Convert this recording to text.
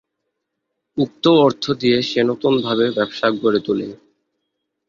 উক্ত অর্থ দিয়ে সে নতুনভাবে ব্যবসা গড়ে তুলে।